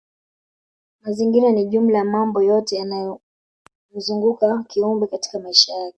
Mazingira ni jumla ya mambo yote yanayomzuguka kiumbe katika maisha yake